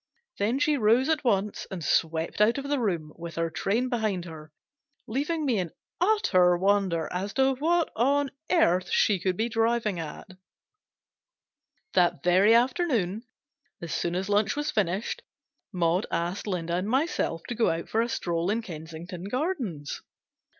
Then she rose at once, and swept out of the room, with her train behind her, leaving me in utter wonder as to what on earth she could be driving at. GENERAL PASSAVANT^S WILL. 345 That very afternoon, as soon as lunch was finished, Maud asked Linda and myself to go out for a stroll in Kensington Gardens.